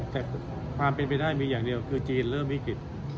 แต่ความเป็นไปได้มีอย่างเดียวคือจีนเริ่มวิกฤต